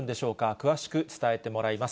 詳しく伝えてもらいます。